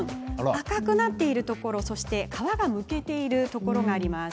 赤くなっているところ皮がむけているところがあります。